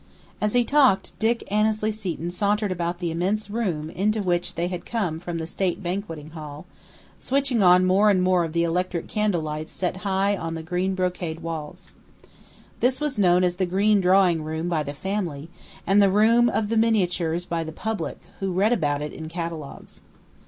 '" As he talked Dick Annesley Seton sauntered about the immense room into which they had come from the state banqueting hall, switching on more and more of the electric candle lights set high on the green brocade walls. This was known as the "green drawing room" by the family, and the "Room of the Miniatures" by the public, who read about it in catalogues.